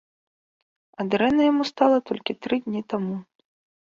А дрэнна яму стала толькі тры дні таму.